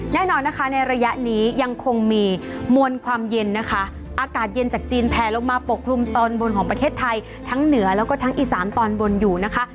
แน่นอนนะคะในระยะนี้ยังคงมีมวลความเย็นนะคะอากาศเย็นจากจีนแผลลงมาปกคลุมตอนบนของประเทศไทยทั้งเหนือแล้วก็ทั้งอีสานตอนบนอยู่นะคะ